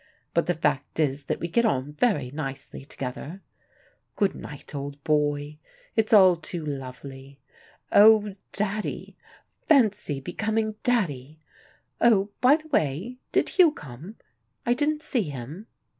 But the fact is that we get on very nicely together. Good night, old boy. It's all too lovely. Oh, Daddy! Fancy becoming Daddy! Oh, by the way, did Hugh come? I didn't see him."